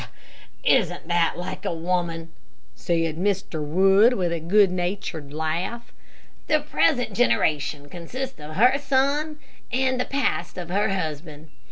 "Isn't that like a woman?" said Mr. Wood, with a good natured laugh. "The present generation consists of her son, and the past of her husband.